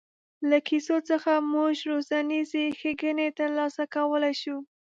له کیسو څخه موږ روزنیزې ښېګڼې تر لاسه کولای شو.